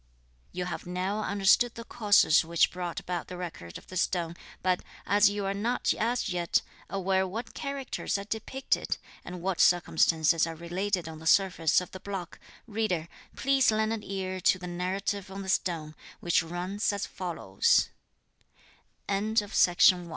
You have now understood the causes which brought about the Record of the Stone, but as you are not, as yet, aware what characters are depicted, and what circumstances are related on the surface of the block, reader, please lend an ear to the narrative on the stone, which runs a